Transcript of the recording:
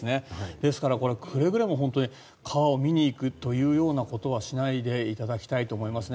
ですから、くれぐれも本当に川を見に行くということはしないでいただきたいと思いますね。